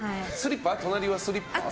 隣はスリッパ？